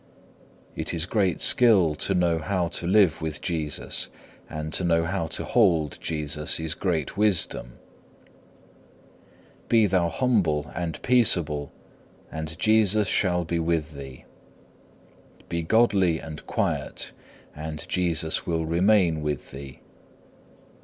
3. It is great skill to know how to live with Jesus, and to know how to hold Jesus is great wisdom. Be thou humble and peaceable and Jesus shall be with thee. Be godly and quiet, and Jesus will remain with thee.